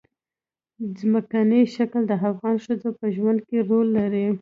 ځمکنی شکل د افغان ښځو په ژوند کې رول لري.